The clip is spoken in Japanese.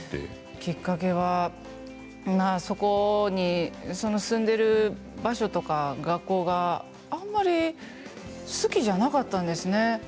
きっかけは住んでいる場所とか学校があまり好きじゃなかったんですね。